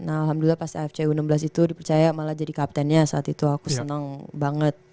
alhamdulillah pas afc u enam belas itu dipercaya malah jadi kaptennya saat itu aku senang banget